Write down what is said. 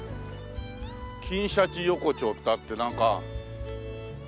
「金シャチ横丁」ってあってなんかねえ。